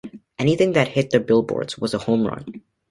Anything that hit the billboards was a home run.